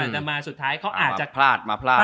แต่มาสุดท้ายเขาอาจจะพลาดมาพลาด